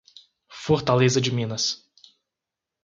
Fortaleza de Minas